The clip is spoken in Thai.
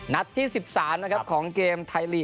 นัดที่สิบสานในกรงชายโทนร้าน